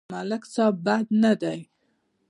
ملک صيب بد نه دی.